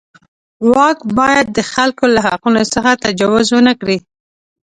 واک باید د خلکو له حقونو څخه تجاوز ونه کړي.